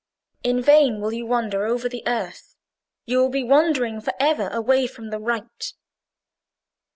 In vain will you wander over the earth; you will be wandering for ever away from the right."